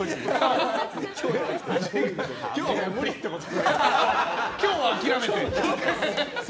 今日は無理ってこと？